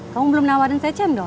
kamu belum nawarin secem doh